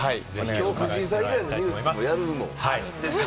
きょう、藤井さん以外のニュースもやるの？